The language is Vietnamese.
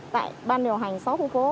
tại ban điều hành sáu khu phố